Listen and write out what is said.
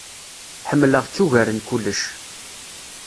Ḥemleɣ-tt ugar n kullec.